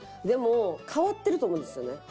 でも変わってると思うんですよね。